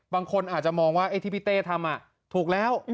บางคนอาจจะมองว่าไอ้ที่พี่เต้ทำถูกแล้ว